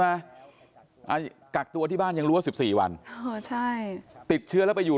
ไหมกักตัวที่บ้านยังรู้ว่า๑๔วันใช่ติดเชื้อแล้วไปอยู่